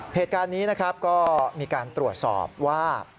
เหตุการณ์นี้นะครับก็มีการตรวจสอบว่า